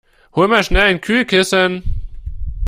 Hol mal schnell ein Kühlkissen!